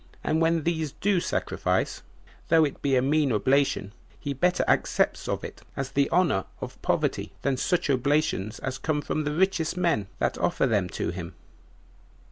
And when these do sacrifice, though it be a mean oblation, he better accepts of it as the honor of poverty, than such oblations as come from the richest men that offer them to him.